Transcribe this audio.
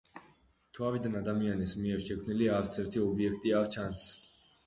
მთვარიდან ადამიანის მიერ შექმნილი არც ერთი ობიექტი არ ჩანს.